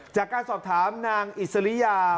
จากการสอบถามนางอิสริยา